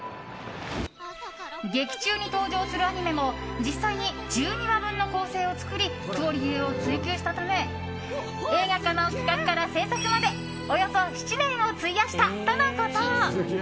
劇中に登場するアニメも実際に１２話分の構成を作りクオリティーを追求したため映画化の企画から制作までおよそ７年を費やしたとのこと。